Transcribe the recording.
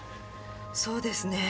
そうですね。